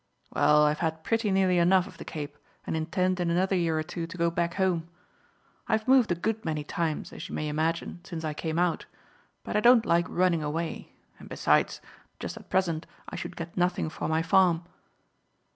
Well, I have had pretty nearly enough of the Cape, and intend in another year or two to go back home. I have moved a good many times, as you may imagine, since I came out, but I don't like running away, and, besides, just at present I should get nothing for my farm."